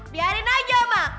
biarin aja emang